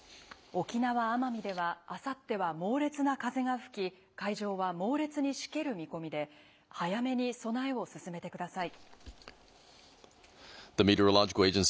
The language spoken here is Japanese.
沖縄・奄美では、あさっては猛烈な風が吹き、海上は猛烈にしける見込みで、早めに備えを進めてください。